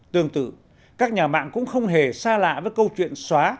tương tự các nhà mạng cũng không hề xa lạ với câu chuyện xóa